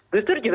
gus dur juga